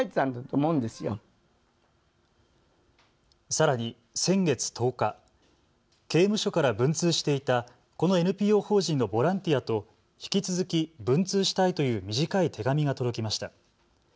さらに先月１０日、刑務所から文通していたこのＮＰＯ法人のボランティアと引き続き文通したいという短い手紙が届きました。